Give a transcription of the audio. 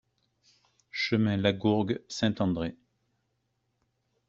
Chemin Lagourgue, Saint-André